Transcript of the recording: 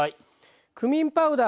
クミンパウダー